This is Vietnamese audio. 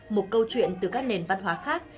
một câu chuyện từ các nền văn hóa khác